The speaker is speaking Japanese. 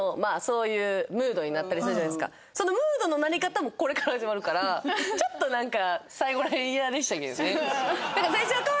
そのムードのなり方もこれから始まるからちょっとなんか。